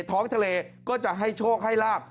ท้องทะเลก็จะให้โชคให้ลาบ